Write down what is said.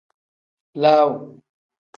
Laaw.